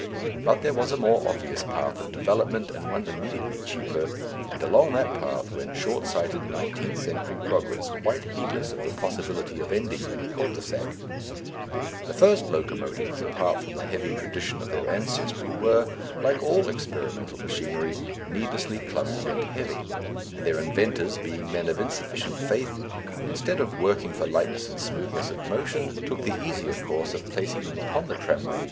But there was a more obvious path of development and one immediately cheaper, and along that path went short sighted Nineteenth Century Progress, quite heedless of the possibility of ending in a cul de sac. The first locomotives, apart from the heavy tradition of their ancestry, were, like all experimental machinery, needlessly clumsy and heavy, and their inventors, being men of insufficient faith, instead of working for lightness and smoothness of motion, took the easier course of placing them upon the tramways that were already in existence chiefly for the transit of heavy goods over soft roads.